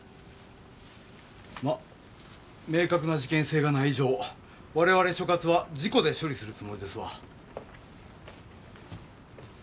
まあ明確な事件性がない以上我々所轄は事故で処理するつもりですわ。